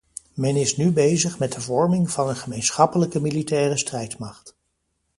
Men is nu bezig met de vorming van een gemeenschappelijke militaire strijdmacht.